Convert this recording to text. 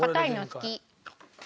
硬いの好き。